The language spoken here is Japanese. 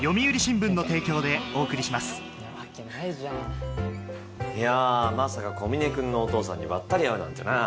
ペイトクいやまさか小峰君のお父さんにばったり会うなんてな。